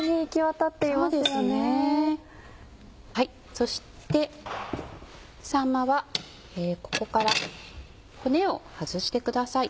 そしてさんまはここから骨を外してください。